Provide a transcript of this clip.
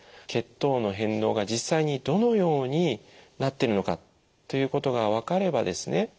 血糖の変動が実際にどのようになってるのかということが分かればですね